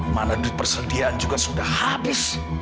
mana duit persediaan juga sudah habis